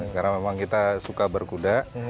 karena memang kita suka berkuda